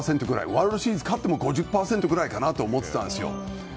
ワールドシリーズ勝っても５０％くらいかなと思ってたんですよ。